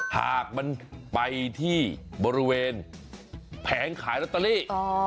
หากมันไปที่บริเวณแผงขายลอตเตอรี่